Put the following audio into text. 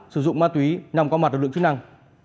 sử dụng ma túy nằm có mặt lực lượng chức năng